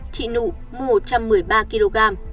trị nụ mua một trăm một mươi ba kg